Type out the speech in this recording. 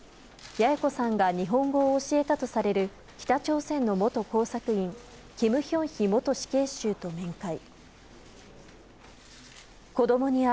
八重子さんが日本語を教えたとされる北朝鮮の元工作員、キム・ヒョンヒ元死刑囚と面会。